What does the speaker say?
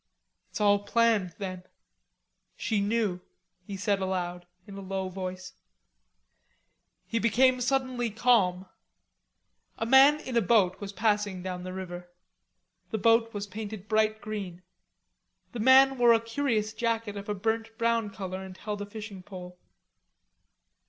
"It's all planned, then. She knew," he said aloud in a low voice. He became suddenly calm. A man in a boat was passing down the river. The boat was painted bright green; the man wore a curious jacket of a burnt brown color, and held a fishing pole.